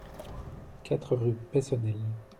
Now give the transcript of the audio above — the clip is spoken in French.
quatre rue Peyssonnel